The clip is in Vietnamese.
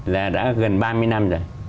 là đã gần ba mươi năm rồi